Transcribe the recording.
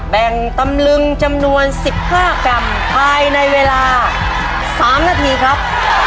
แบ่งตำลึงจำนวน๑๕กรัมภายในเวลา๓นาทีครับ